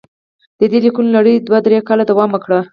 د دې لیکونو لړۍ دوه درې کاله دوام وکړ.